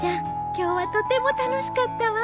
今日はとても楽しかったわ。